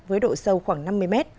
với độ sâu khoảng năm mươi m